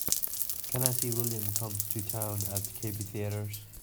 Can I see William Comes to Town at KB Theatres